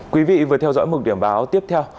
quý vị vừa theo dõi một điểm báo tiếp theo